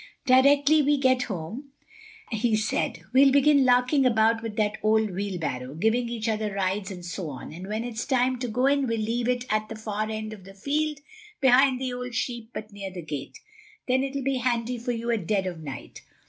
"Directly we get home," he said, "we'll begin larking about with that old wheelbarrow—giving each other rides, and so on, and when it's time to go in we'll leave it at the far end of the field behind the old sheep hut near the gate. Then it'll be handy for you at dead of night.